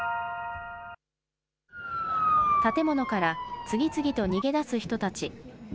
建物から次々と逃げ出す人たち。